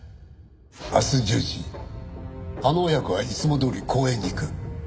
明日１０時あの親子はいつもどおり公園に行く。